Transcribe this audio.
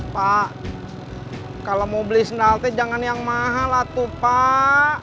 pak kalau mau beli senalte jangan yang mahal lah tuh pak